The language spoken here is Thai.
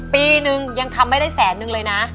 ปีนึงยังทำไม่ได้แสนนึงเลยนะ